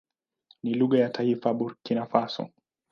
Ni lugha ya taifa ya Burkina Faso.